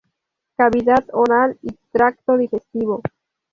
Cavidad oral y tracto digestivo.